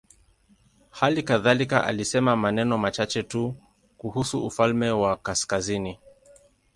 Hali kadhalika alisema maneno machache tu kuhusu ufalme wa kaskazini.